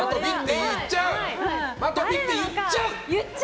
まとびって言っちゃう！